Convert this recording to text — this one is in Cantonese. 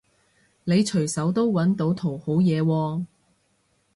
你隨手都搵到圖好嘢喎